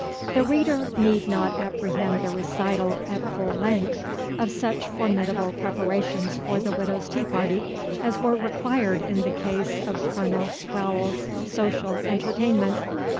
The reader need not apprehend the recital, at full length, of such formidable preparations for the Widow's tea party as were required in the case of Colonel Sprowle's Social Entertainment.